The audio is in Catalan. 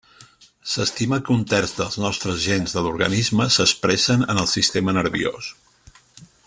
S'estima que un terç dels nostres gens de l'organisme s'expressen en el sistema nerviós.